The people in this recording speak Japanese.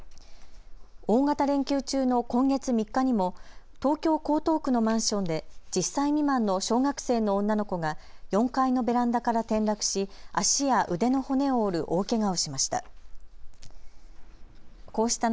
大型連休中の今月３日にも東京江東区のマンションで１０歳未満の小学生の女の子が４階のベランダから転落し足や腕の骨を折る大けがをしました。